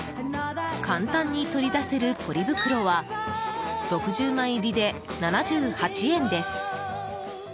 簡単に取り出せるポリ袋は６０枚入りで７８円です。